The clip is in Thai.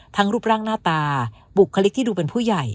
รูปร่างหน้าตาบุคลิกที่ดูเป็นผู้ใหญ่